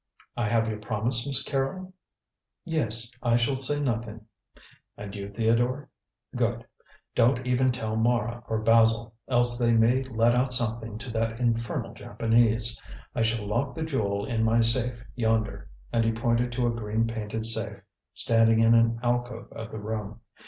I have your promise, Miss Carrol?" "Yes. I shall say nothing." "And you, Theodore? Good. Don't even tell Mara or Basil, else they may let out something to that infernal Japanese. I shall lock the jewel in my safe yonder," and he pointed to a green painted safe, standing in an alcove of the room.